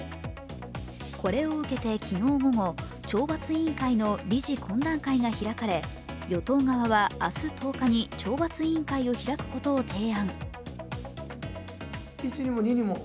これを受けて昨日午後、懲罰委員会の理事懇談会が開かれ、与党側は明日１０日に懲罰委員会を開くことを提案。